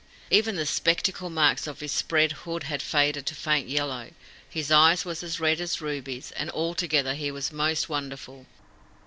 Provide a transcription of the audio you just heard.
Even the spectacle marks of his spread hood had faded to faint yellow. His eyes were as red as rubies, and altogether he was most wonderful.